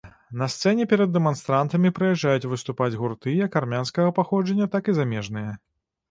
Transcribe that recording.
На сцэне перад дэманстрантамі прыязджаюць выступаць гурты як армянскага паходжання, так і замежныя.